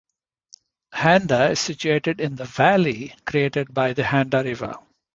Handa is situated in the valley created by the Handa River.